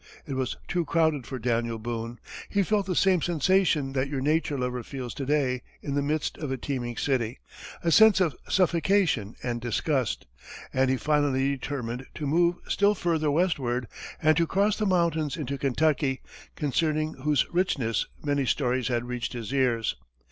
It was too crowded for Daniel Boone; he felt the same sensation that your nature lover feels to day in the midst of a teeming city a sense of suffocation and disgust and he finally determined to move still further westward, and to cross the mountains into Kentucky, concerning whose richness many stories had reached his ears.